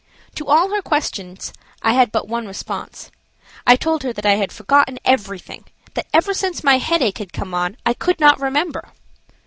To all her questionings I had but one response–I told her that I had forgotten everything, that ever since my headache had come on I could not remember.